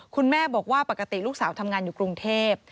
คุณแม่บอกว่าปกติลูกสาวทำงานอยู่กรุงเทพ